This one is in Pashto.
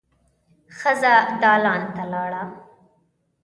ښځه دالان ته لاړه.